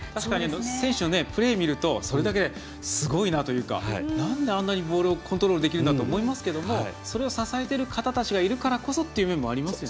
選手のプレーを見るとそれだけですごいなというかなんで、あれだけボールをコントロールできるんだと思いますがそれを支えている方たちがいるからこそですよね。